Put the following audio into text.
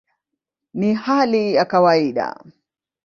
Ni hali ya kawaida".